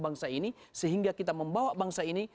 bangsa ini sehingga kita membawa bangsa ini